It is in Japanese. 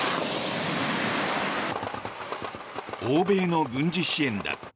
欧米の軍事支援だ。